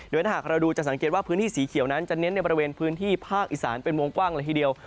ถ้าหากเราดูจะสังเกตว่าพื้นที่สีเขียวนั้นจะเน้นในบริเวณพื้นที่ภาคอีสานเป็นวงกว้างเลยทีเดียว